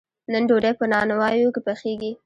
نن ډوډۍ په نانواییو کې پخیږي.